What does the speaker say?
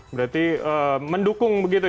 berarti mendukung begitu